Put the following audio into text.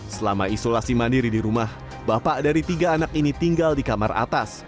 selama isolasi mandiri di rumah bapak dari tiga anak ini tinggal di kamar atas